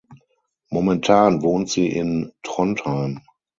Momentan wohnt sie in Trondheim.